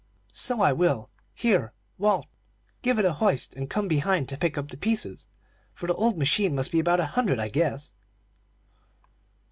"So I will. Here, Walt, give it a hoist, and come behind to pick up the pieces, for the old machine must be about a hundred, I guess."